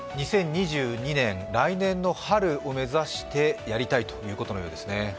２０２２年、来年の春を目指してやりたいということのようですね。